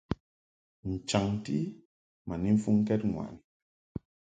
N-chaŋti ma ni mfuŋkɛd ŋwaʼni.